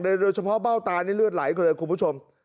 โดยเฉพาะเบ้าตานี่เลือดไหลกันเลยคุณผู้ชม